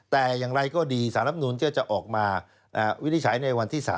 แต่อย่างไรก็ดีสนจะออกมาวินิจฉัยในวันที่๓๐